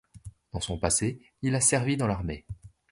Dans son passé, il a servi dans l'armée.